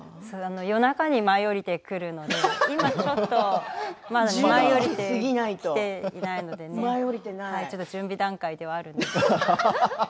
夜中に舞い降りてくるので今ちょっと舞い降りてきていないのでちょっと準備段階ではあるんですけれども。